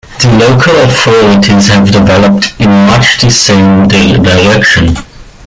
The local authorities have developed in much the same direction.